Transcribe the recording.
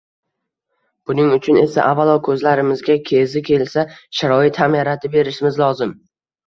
Buning uchun esa avvalo ko`zlarimizga kezi kelsa sharoit ham yaratib berishimiz lozim